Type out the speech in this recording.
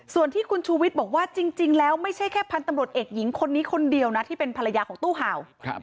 ส่วนที่คุณชูวิทย์บอกว่าจริงแล้วไม่ใช่แค่พันธุ์ตำรวจเอกหญิงคนนี้คนเดียวนะที่เป็นภรรยาของตู้เห่า